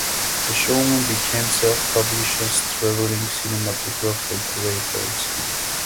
The showmen became self-publicising travelling cinematograph operators.